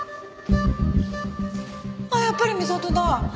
あっやっぱり美里だ。